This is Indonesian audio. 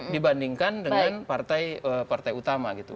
dibandingkan dengan partai partai utama